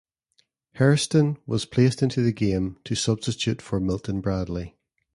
Hairston was placed into the game to substitute for Milton Bradley.